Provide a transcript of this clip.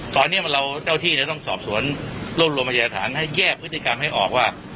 ตอนนี้เราเจ้าที่จะต้องสอบสวนรวบรวมพยาฐานให้แยกพฤติกรรมให้ออกว่า